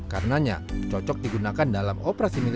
karena cocok digunakan dalam operasi minum